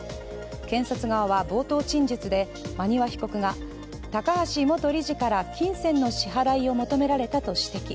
検察側は冒頭陳述で馬庭被告が高橋元理事から金銭の支払いを求められたと指摘。